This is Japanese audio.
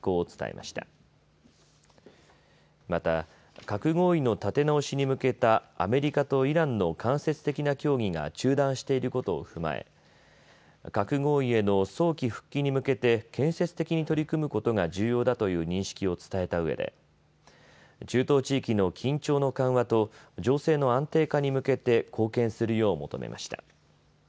また核合意の立て直しに向けたアメリカとイランの間接的な協議が中断していることを踏まえ核合意への早期復帰に向けて建設的に取り組むことが重要だという認識を伝えたうえで中東地域の緊張の緩和と情勢の安定化に向けて貢献するよう求めました。